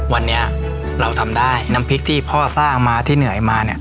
วันนี้เราทำได้น้ำพริกที่พ่อสร้างมาที่เหนื่อยมาเนี่ย